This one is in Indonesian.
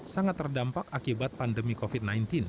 sangat terdampak akibat pandemi covid sembilan belas